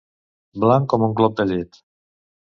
Blanc com un glop de llet.